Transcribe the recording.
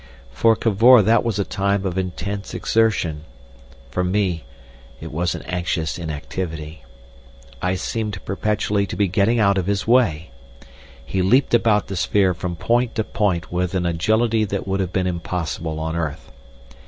For Cavor that was a time of intense exertion; for me it was an anxious inactivity. I seemed perpetually to be getting out of his way. He leapt about the sphere from point to point with an agility that would have been impossible on earth.